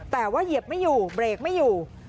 แต่ว่าเหยียบไม่อยู่เบรกไม่อยู่